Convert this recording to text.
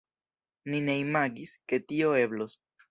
Ni ne imagis, ke tio eblos.